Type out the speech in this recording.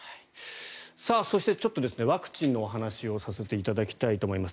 そして、ちょっとワクチンのお話をさせていただきたいと思います。